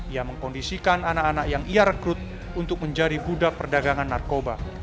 ia mengkondisikan anak anak yang ia rekrut untuk menjadi budak perdagangan narkoba